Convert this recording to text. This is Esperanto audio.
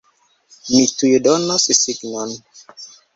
Mi tuj donos signon!